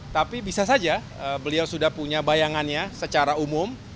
tapi bisa saja beliau sudah punya bayangannya secara umum